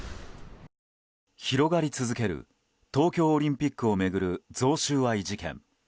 広がり続ける東京オリンピックを巡る贈収賄事件。